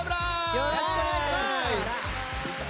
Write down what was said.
よろしくお願いします！